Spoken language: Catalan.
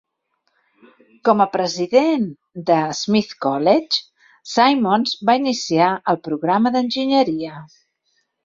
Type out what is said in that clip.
Com a president de Smith College, Simmons va iniciar el programa d'enginyeria.